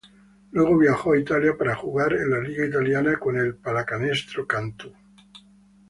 Luego viajó a Italia para jugar en la liga italiana con el Pallacanestro Cantú.